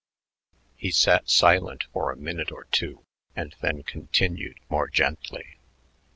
He sat silent for a minute or two and then continued more gently.